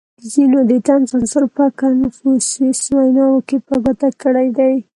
• ځینو د طنز عنصر په کنفوسیوس ویناوو کې په ګوته کړی دی.